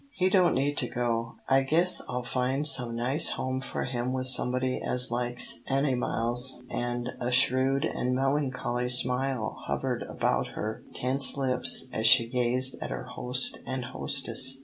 "He don't need to go. I guess I'll find some nice home for him with somebody as likes animiles," and a shrewd and melancholy smile hovered about her tense lips as she gazed at her host and hostess.